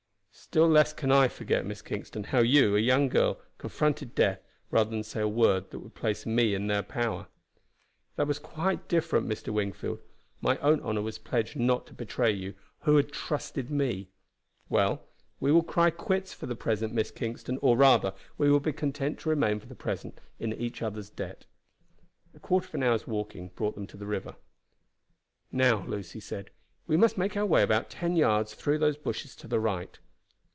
"Still less can I forget, Miss Kingston, how you, a young girl, confronted death rather than say a word that would place me in their power." "That was quite different, Mr. Wingfield. My own honor was pledged not to betray you, who had trusted me." "Well, we will cry quits for the present, Miss Kingston; or, rather, we will be content to remain for the present in each other's debt." A quarter of an hour's walking brought them to the river. "Now," Lucy said, "we must make our way about ten yards through these bushes to the right."